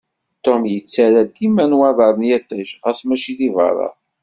Tom yettarra dima nnwaḍer n yiṭij, ɣas mačči deg berra.